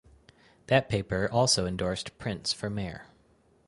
That paper also endorsed Prince for mayor.